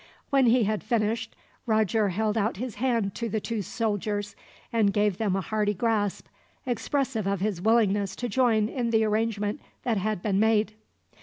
When he had finished, Roger held out his hand to the two soldiers, and gave them a hearty grasp, expressive of his willingness to join in the arrangement that had been made.